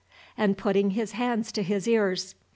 and putting his hands to his ears.